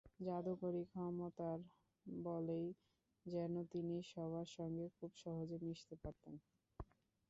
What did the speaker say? জাদুকরি ক্ষমতার বলেই যেন তিনি সবার সঙ্গে খুব সহজে মিশতে পারতেন।